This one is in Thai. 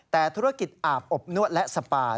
แต่ธุรกิจอาบอบนวดและสปา